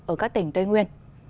ở các tỉnh tây nguyên